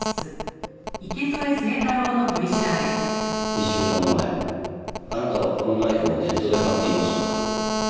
１週間前あなたはこのナイフをネットで買っていました。